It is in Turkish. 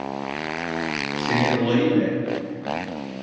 Senin olayın ne?